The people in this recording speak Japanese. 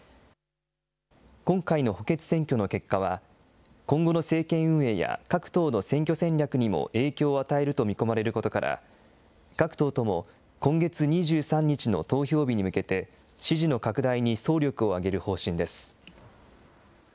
今回の補欠選挙の結果は、今後の政権運営や、各党の選挙戦略にも影響を与えると見込まれることから、各党とも今月２３日の投票日に向けて、支持の拡大に総力を挙げる方針です。